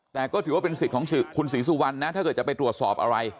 แต่ก็ถือว่าเป็นสิทธิ์ของคุณศรีสุวรรณนะถ้าเกิดจะไปตรวจสอบอะไร